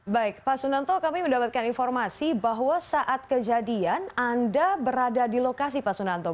baik pak sunanto kami mendapatkan informasi bahwa saat kejadian anda berada di lokasi pak sunanto